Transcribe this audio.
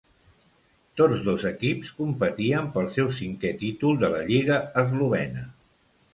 Tots dos equips competien pel seu cinquè títol de la lliga eslovena.